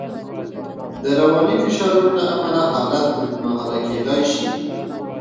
د رواني فشارونو له امله حالت اوږدمهاله کېدای شي.